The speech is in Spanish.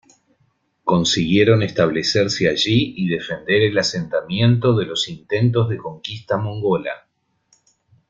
Consiguieron establecerse allí y defender el asentamiento de los intentos de conquista mongola.